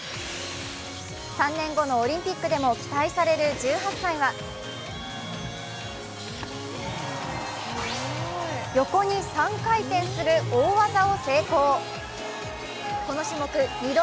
３年後のオリンピックでも期待される１８歳は横に３回転する大技を成功。